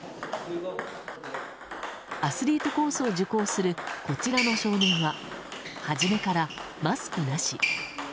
アスリートコースを受講するこちらの少年は初めからマスクなし。